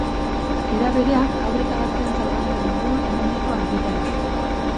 Era berean, haur eta gazteentzako hainbat liburu eman ditu argitara.